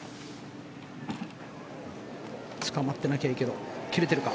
つかまってなきゃいいけど。切れてるか。